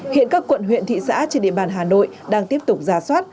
hiện các quận huyện thị xã trên địa bàn hà nội đang tiếp tục ra soát